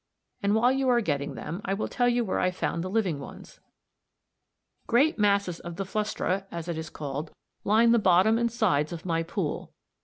72), and while you are getting them I will tell you where I found the living ones. Great masses of the Flustra, as it is called, line the bottom and sides of my pool.